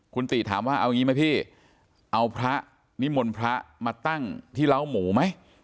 คุณติถามว่าเอางี้ไหมพี่เอาพระนิมนต์พระมาตั้งที่เล้าหมูไหม